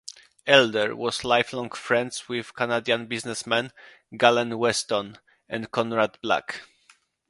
Elder was lifelong friends with Canadian businessmen Galen Weston and Conrad Black.